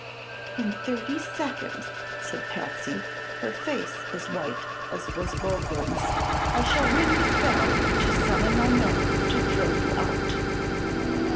"In thirty seconds," said Patsy, her face as white as was Boglin's, "I shall ring this bell to summon my men to throw you out."